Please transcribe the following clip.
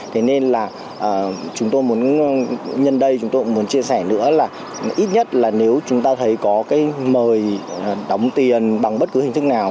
thế nên là chúng tôi muốn nhân đây chúng tôi muốn chia sẻ nữa là ít nhất là nếu chúng ta thấy có cái mời đóng tiền bằng bất cứ hình thức nào